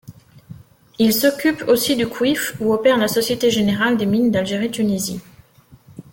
Il s’occupe aussi du Kouif, où opère la Société générale des mines d'Algérie-Tunisie.